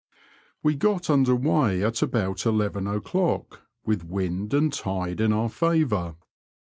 We got under weigh at about eleven o'clock, with wind and tide in our favour.